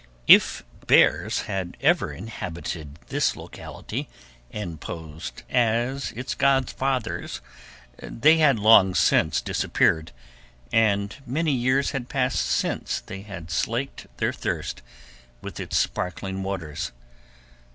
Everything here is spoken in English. If bears had ever inhabited this locality, and posed as its godfathers, they had long since disappeared, and many years had passed since they had slaked their thirst with its sparkling waters.